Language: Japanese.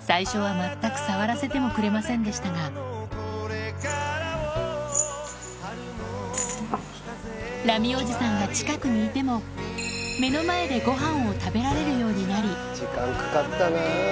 最初は全く触らせてもくれませんでしたがラミおじさんが近くにいてもを食べられるようになり時間かかったな。